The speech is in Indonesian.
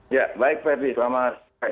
ya baik ferdie selamat